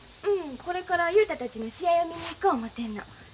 うんこれから雄太たちの試合を見に行こ思てるの。